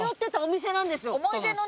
思い出のね。